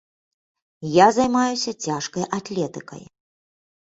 Я займаюся цяжкай атлетыкай.